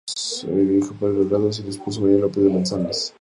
Era hijo de Pedro Alonso Dardos y de su esposa María López de Manzanares.